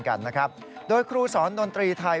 กันนะครับโดยครูสอนดนตรีไทย